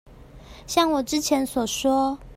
像我之前所說